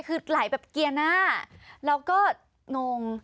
คือไหลแบบเกียร์หน้าแล้วก็โน่ง